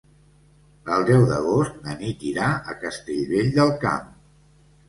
El deu d'agost na Nit irà a Castellvell del Camp.